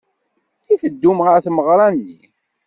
I teddumt ɣer tmeɣra-nni?